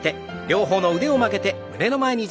両方の腕を曲げて胸の前に。